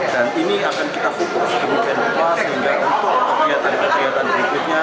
dan ini akan kita kukus kemudian lupa sehingga untuk kegiatan kegiatan berikutnya